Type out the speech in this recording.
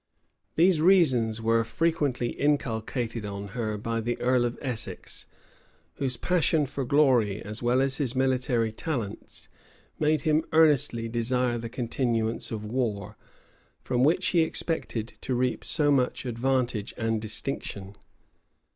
These reasons were frequently inculcated on her by the earl of Essex, whose passion for glory, as well as his military talents, made him earnestly desire the continuance of war, from which he expected to reap so much advantage and distinction.